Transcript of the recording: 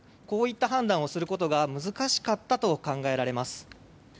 こういった判断をすることが難しかったと考えられます。